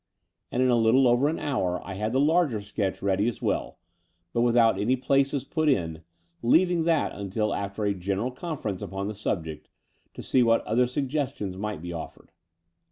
And in a little over an hour I had the larger sketch ready as well, but without any places put in, leaving that until after a general conference upon the subject, to see what other suggestions might be offered.